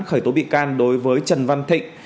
khởi tố bị can đối với trần văn thịnh